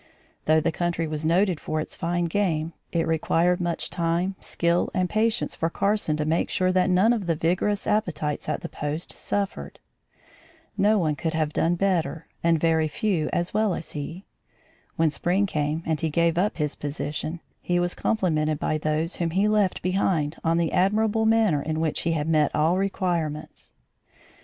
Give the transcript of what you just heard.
Though the country was noted for its fine game, it required much time, skill and patience for Carson to make sure that none of the vigorous appetites at the post suffered. No one could have done better and very few as well as he. When spring came, and he gave up his position, he was complimented by those whom he left behind on the admirable manner in which he had met all requirements.